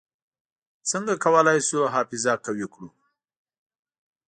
څنګه کولای شو حافظه قوي کړو؟